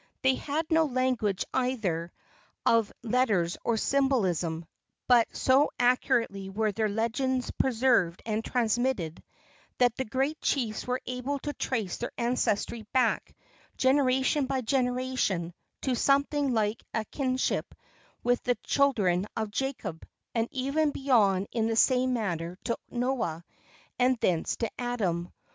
They had no language either of letters or symbolism, but so accurately were their legends preserved and transmitted that the great chiefs were able to trace their ancestry back, generation by generation, to something like a kinship with the children of Jacob, and even beyond in the same manner to Noah, and thence to Adam.